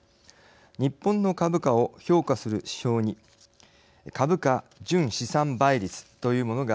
日本の株価を評価する指標に株価純資産倍率というものがあります。